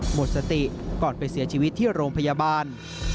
หมดสติก่อนไปเสียชีวิตที่โรงพยาบาล